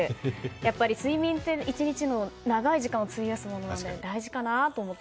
やっぱり、睡眠って１日の長い時間を費やすものなので大事かなと思って。